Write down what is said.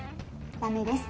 駄目です。